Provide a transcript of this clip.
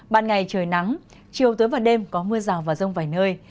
ban ngày trời nắng chiều tới vào đêm có mưa rào và rông vài nơi